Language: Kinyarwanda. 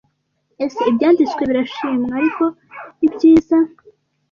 Ese ibyanditswe birashimwa? Ariko ibyiza--